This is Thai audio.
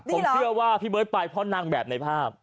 ผมเชื่อว่าพี่เบิร์ตไปเพราะนางแบบในภาพ